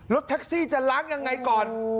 รถแท็กซี่จะล้างยังไงก่อน